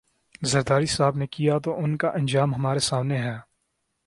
زرداری صاحب نے کیا تو ان کا انجام ہمارے سامنے ہے۔